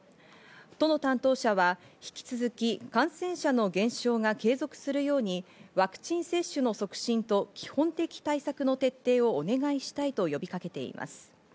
都の担当者は引き続き感染者の減少が継続するように、ワクチン接種の促進と基本的対策の徹底をお願いしたいと呼びかけています。